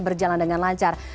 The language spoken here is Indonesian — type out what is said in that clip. berjalan dengan lancar